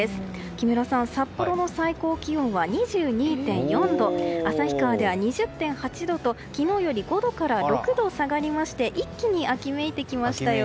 木村さん札幌の最高気温は２２．４度旭川では２０．８度と昨日から５度から６度下がりまして一気に秋めいてきましたよ。